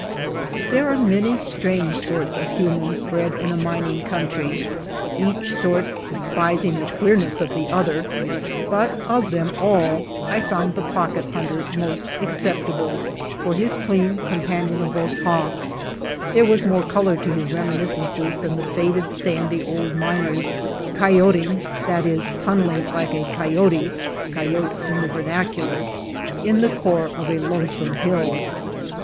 There are many strange sorts of humans bred in a mining country, each sort despis ing the queernesses of the other, but of them all I found the Pocket Hunter most accept able for his clean, companionable talk. 68 THE POCKET HUNTER There was more color to his reminiscences than the faded sandy old miners "kyo.te ing," that is, tunneling like a coyote (kyote in the vernacular) in the core of a lonesome hill.